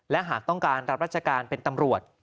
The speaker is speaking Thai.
และหากต้องการรับราชการเป็นตำรวจ